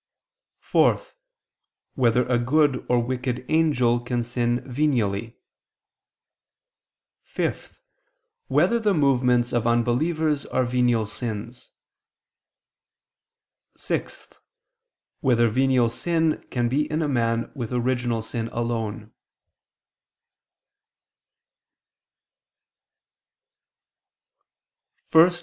(4) Whether a good or a wicked angel can sin venially? (5) Whether the movements of unbelievers are venial sins? (6) Whether venial sin can be in a man with original sin alone?